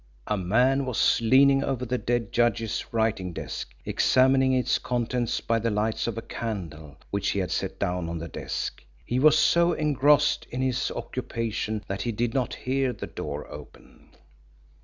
A man was leaning over the dead judge's writing desk, examining its contents by the light of a candle which he had set down on the desk. He was so engrossed in his occupation that he did not hear the door open.